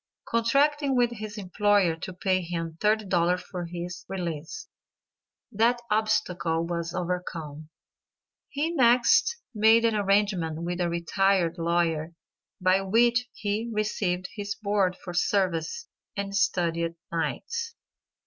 Contracting with his employer to pay him $30 for his release, that obstacle was overcome. He next made an arrangement with a retired lawyer, by which he received his board for services, and studied nights.